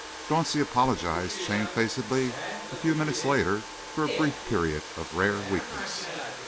Dauncey apologised shamefacedly, a few minutes later, for a brief period of rare weakness.